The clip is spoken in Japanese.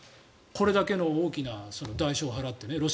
これだけの大きな代償を払ってね